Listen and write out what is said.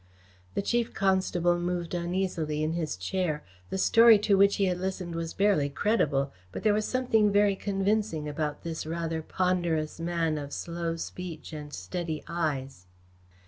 The Chief Constable moved uneasily in his chair. The story to which he had listened was barely credible, but there was something very convincing about this rather ponderous man of slow speech and steady eyes.